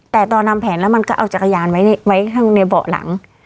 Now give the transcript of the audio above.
แต่ตอนทำแผนแล้วมันก็เอาจักรยานไว้ข้างในเบาะหลัง